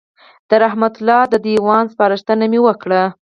د رحمت الله د دېوان سپارښتنه مې وکړه.